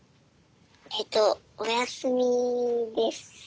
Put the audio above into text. えとお休みです。